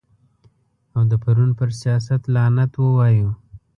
او د پرون پر سیاست لعنت ووایو.